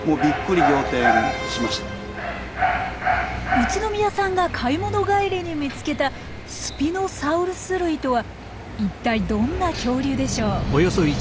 宇都宮さんが買い物帰りに見つけたスピノサウルス類とは一体どんな恐竜でしょう？